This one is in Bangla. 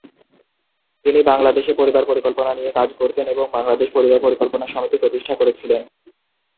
তিনি বাংলাদেশে পরিবার পরিকল্পনা নিয়ে কাজ করতেন এবং বাংলাদেশ পরিবার পরিকল্পনা সমিতি প্রতিষ্ঠা করেছিলেন।